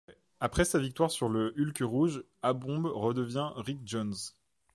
Après sa victoire sur le Hulk Rouge, A-bomb redevient Rick Jones.